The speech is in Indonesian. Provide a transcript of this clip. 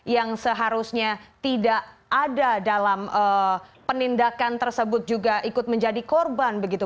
yang seharusnya tidak ada dalam penindakan tersebut juga ikut menjadi korban begitu